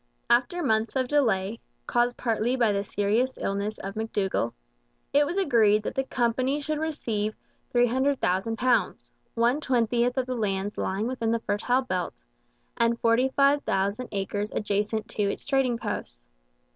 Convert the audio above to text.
After months of delay, caused partly by the serious illness of McDougall, it was agreed that the company should receive £300,000, one twentieth of the lands lying within the Fertile Belt, and 45,000 acres adjacent to its trading posts.